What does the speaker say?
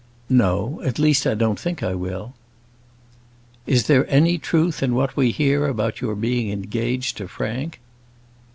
"No; at least I don't think I will." "Is there any truth in what we hear about your being engaged to Frank?"